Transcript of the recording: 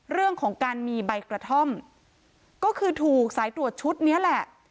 เรื่องของการมีใบกระท่อมก็คือถูกสายตรวจชุดนี้แหละ